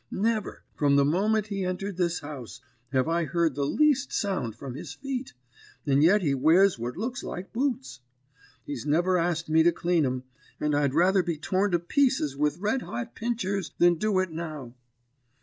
Never, from the moment he entered this house, have I heard the least sound from his feet, and yet he wears what looks like boots. He's never asked me to clean 'em, and I'd rather be torn to pieces with red hot pinchers than do it now.